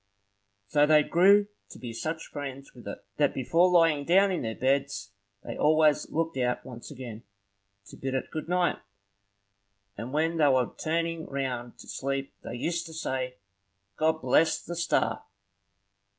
So they grew to be such friends with it, that before lying down in their beds, they always looked out once again, to bid it good night; and when they were turning round to sleep, they used to say, "God bless the star!"